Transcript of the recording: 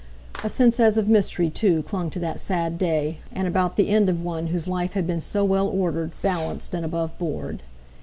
A sense as of mystery, too, clung to that sad day, and about the end of one whose life had been so well ordered, balanced, and above board.